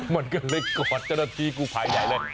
มันก็เลยกอดเจ้าหน้าที่กูภัยใหญ่เลย